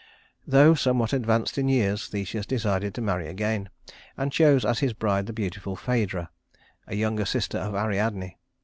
Though somewhat advanced in years Theseus decided to marry again, and chose as his bride the beautiful Phædra, a younger sister of Ariadne.